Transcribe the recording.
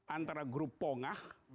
antara grup pongah